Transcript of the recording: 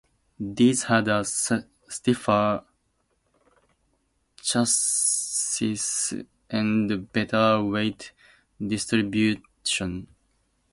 These had a stiffer chassis and better weight distribution.